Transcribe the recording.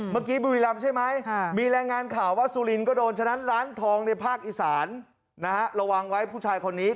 เมื่อกี้บุรีลำใช่ไหมมีแรงงานข่าวว่าสุลินก็โดนฉะนั้นร้านทองในภาคอิสานนะระวังไว้ผู้ชายคนนี้